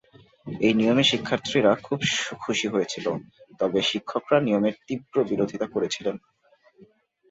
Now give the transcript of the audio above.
এই নিয়মে শিক্ষার্থীরা খুব খুশী হয়েছিল, তবে শিক্ষকরা নিয়মের তীব্র বিরোধিতা করেছিলেন।